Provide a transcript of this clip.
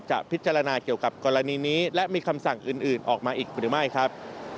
จะพิจารณาเกี่ยวกับกรณีนี้และมีคำสั่งอื่นออกมาอีกหรือไม่ครับ